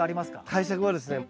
対策はですね